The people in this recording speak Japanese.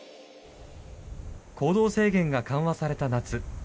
行動制限が緩和された夏。